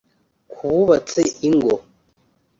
Ku bubatse ingo